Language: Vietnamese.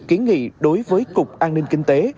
kiến nghị đối với cục an ninh kinh tế